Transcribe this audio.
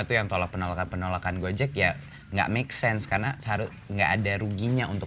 itu yang tolak penolakan penolakan gojek ya enggak make sense karena seharusnya ada ruginya untuk